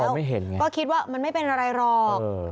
ก็คิดว่ามันไม่เป็นอะไรหรอก